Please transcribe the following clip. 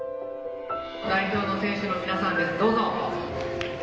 代表の選手の皆さんです。